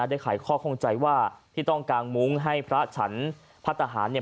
ไขข้อข้องใจว่าที่ต้องกางมุ้งให้พระฉันพระทหารเนี่ย